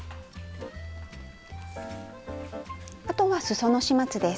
あとはすその始末です。